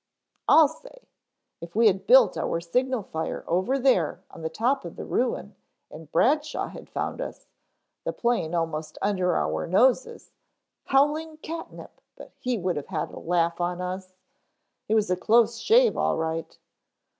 "I'll say! If we had built our signal fire over there on the top of the ruin and Bradshaw had found us the plane almost under our noses, howling catnip but he would have had a laugh on us. It was a close shave all right."